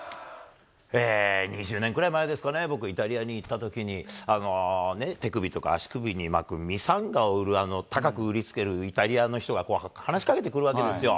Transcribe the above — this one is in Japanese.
２０年くらい前ですかね、僕、イタリアに行ったときに、手首とか足首に巻くミサンガを売る、高く売りつけるイタリアの人が話しかけてくるわけですよ。